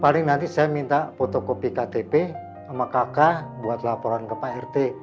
paling nanti saya minta fotokopi ktp sama kakak buat laporan ke pak rt